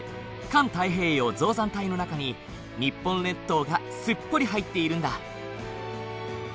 環太平洋造山帯の中に日本列島がすっぽり入っているんだ。